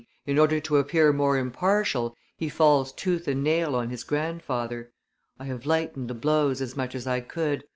in order to appear more impartial, he falls tooth and nail on his grandfather. I have lightened the blows as much as I could.